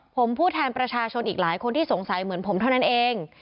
ผมพูดแทนประชาชนอีกหลายคนที่สงสัยเหมือนผมเท่านั้นเอง